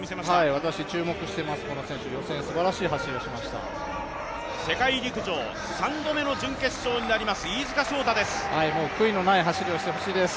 私、注目しています、この選手、予選すばらしい走りをしました世界陸上３度目の準決勝になります飯塚翔太です。